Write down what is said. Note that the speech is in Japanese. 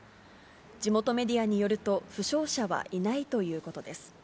地元メディアによると、負傷者はいないということです。